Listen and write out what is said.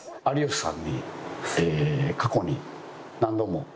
有吉さんに過去に何度も。